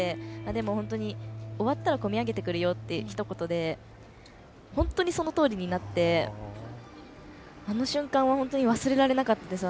でも、本当に終わったらこみ上げてくるよってひとことで本当にそのとおりになってあの瞬間は本当に忘れられなかったです。